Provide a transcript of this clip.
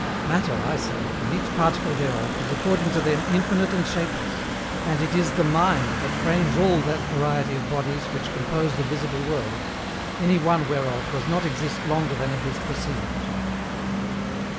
Matter, I say, and each particle thereof, is according to them infinite and shapeless, AND IT IS THE MIND THAT FRAMES ALL THAT VARIETY OF BODIES WHICH COMPOSE THE VISIBLE WORLD, ANY ONE WHEREOF DOES NOT EXIST LONGER THAN IT IS PERCEIVED.